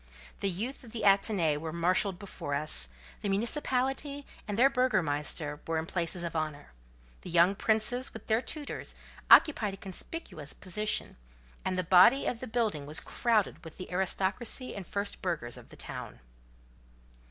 The youth of the Athénée were marshalled before us, the municipality and their bourgmestre were in places of honour, the young princes, with their tutors, occupied a conspicuous position, and the body of the building was crowded with the aristocracy and first burghers of the town.